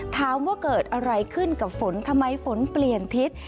ถามว่าเกิดอะไรขึ้นกับฝนทำไมฝนเปลี่ยนทิศ